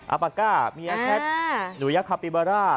อัปกาเมียแท็ดหนูยักษ์คาปิบาร่า